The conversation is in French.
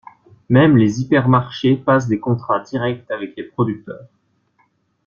Même les hypermarchés passent des contrats directs avec les producteurs.